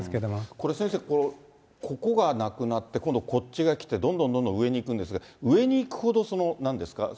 これ先生、ここがなくなって、今度こっちが来て、どんどんどんどん上に行くんですが、上に行くほど、なんですか？